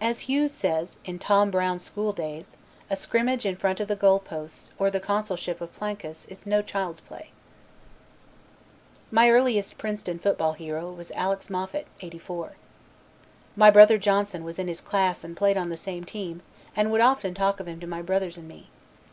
As Hughes says in Tom Brown's School Days, a scrimmage in front of the goal posts, or the Consulship of Plancus, is no child's play. My earliest Princeton football hero was Alex Moffat '84. My brother Johnson was in his class and played on the same team, and would often talk of him to my brothers and to me.